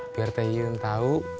biar teh yun tau